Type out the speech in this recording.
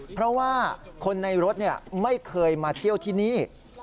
เพราะว่าคนในรถไม่เคยมาเที่ยวที่นี่